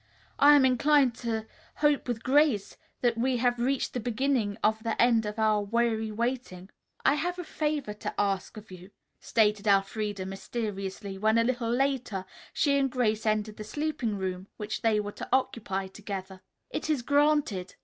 I am inclined to hope with Grace that we have reached the beginning of the end of our weary waiting." "I've a favor to ask of you," stated Elfreda mysteriously, when, a little later, she and Grace entered the sleeping room which they were to occupy together. "It is granted."